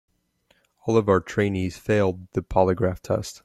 All of our trainees failed the polygraph test.